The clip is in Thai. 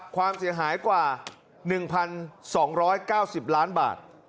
ความเสียหายกว่า๑๒๙๐ล้านบาท